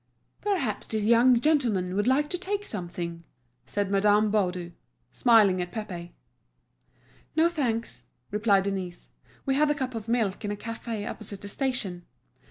"Perhaps this young gentleman would like to take something?" said Madame Baudu, smiling at Pépé. "No, thanks," replied Denise, "we had a cup of milk in a café opposite the station."